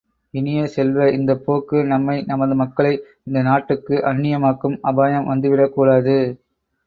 இனிய செல்வ, இந்தப் போக்கு நம்மை நமது மக்களை இந்த நாட்டுக்கு அந்நியமாக்கும் அபாயம் வந்து விடக்கூடாது!